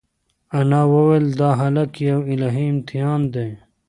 انا وویل چې دا هلک یو الهي امتحان دی.